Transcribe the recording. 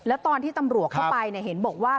แล้วตอนที่ตำรวจเข้าไปเห็นบอกว่า